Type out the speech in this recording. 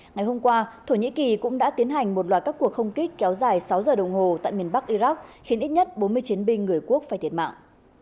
ngày hôm qua thổ nhĩ kỳ cũng đã tiến hành một loạt các cuộc không kích kéo dài sáu giờ đồng hồ tại miền bắc iraq khiến ít nhất bốn mươi chiến binh người quốc phải thiệt mạng